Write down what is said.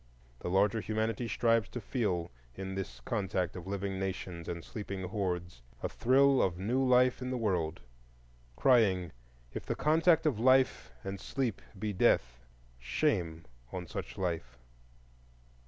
The larger humanity strives to feel in this contact of living Nations and sleeping hordes a thrill of new life in the world, crying, "If the contact of Life and Sleep be Death, shame on such Life."